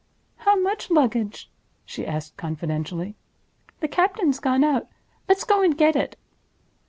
"How much luggage?" she asked, confidentially. "The captain's gone out. Let's go and get it!"